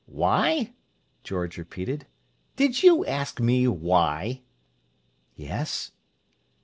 "Why?" George repeated. "Did you ask me why?" "Yes."